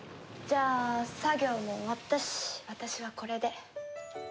じゃあ作業も終わったし私はこれで。